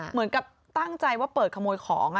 เหมือนกับตั้งใจว่าเปิดขโมยของ